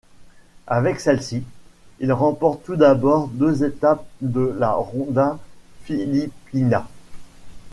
Avec celle-ci, il remporte tout d'abord deux étapes de la Ronda Pilipinas.